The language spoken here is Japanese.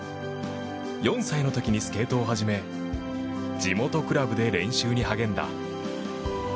４歳の時にスケートを始め地元クラブで練習に励んだ。